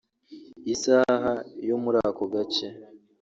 isaha yo muri ako gace